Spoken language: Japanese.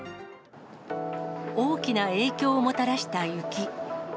大きな影響をもたらした雪。